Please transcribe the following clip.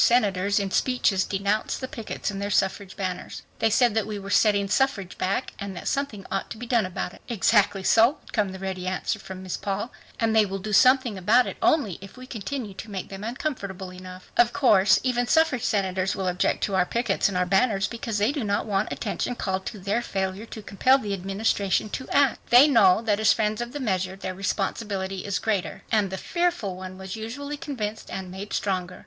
senators in speeches denounced the pickets and their suffrage banners. They said that we were setting suffrage back and that something ought to be done about it." "Exactly so," would come the ready answer from Miss Paul. "And they will do something about it only if we continue to make them uncomfortable enough. Of course even suffrage senators will object to our pickets and our banners because they do not want attention called to their failure to compel the Administration to act. They know that as friends of the measure their responsibility is greater." And the "fearful" one was usually convinced and made stronger.